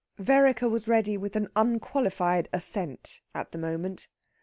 Vereker was ready with an unqualified assent at the moment.